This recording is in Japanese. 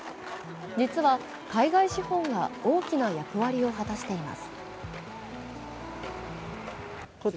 実は海外資本が大きな役割を果たしています。